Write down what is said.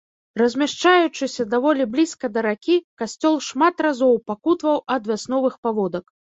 Размяшчаючыся даволі блізка да ракі, касцёл шмат разоў пакутаваў ад вясновых паводак.